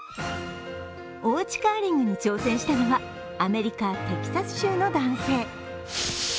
おうちカーリングに挑戦したのはアメリカ・テキサス州の男性。